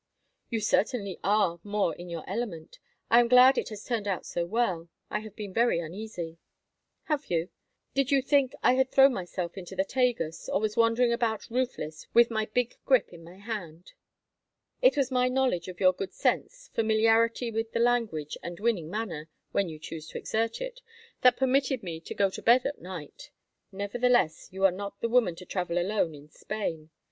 "You certainly are more in your element. I am glad it has turned out so well. I have been very uneasy." "Have you? Did you think I had thrown myself into the Tagus, or was wandering about roofless with my big grip in my hand?" "It was my knowledge of your good sense, familiarity with the language, and winning manner—when you choose to exert it—that permitted me to go to bed at night. Nevertheless, you are not the woman to travel alone in Spain.